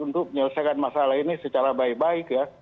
untuk menyelesaikan masalah ini secara baik baik ya